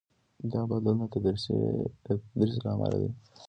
دا بدلون د تدریس له امله دی.